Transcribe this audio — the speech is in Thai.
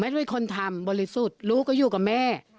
ทุกคนทำบริสุทธิ์ลูกก็อยู่กับแม่